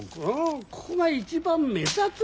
ここが一番目立つんだよ。